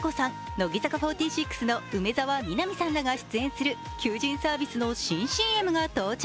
乃木坂４６の梅澤美波さんらが出演する求人サービスの新ＣＭが到着。